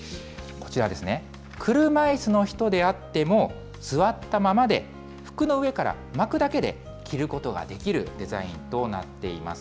こちらですね、車いすの人であっても、座ったままで、服の上から巻くだけで着ることができるデザインとなっています。